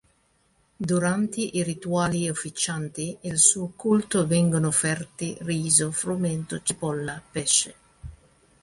Durante i rituali officianti il suo culto vengono offerti riso, frumento, cipolla, pesce.